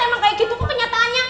emang kayak gitu kok kenyataannya